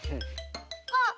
あっ！